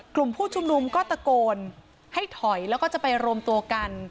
กลุ่มผู้ชุมนุมก็ตะโกนให้ถอยแล้วก็จะไปรวมตัวกัน